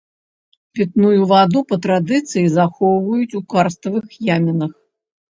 Пітную ваду па традыцыі захоўваюць у карставых ямінах.